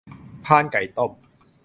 พานไก่ต้ม